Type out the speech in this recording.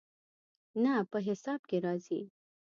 نه، په حساب کې راځي